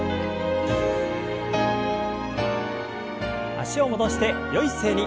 脚を戻してよい姿勢に。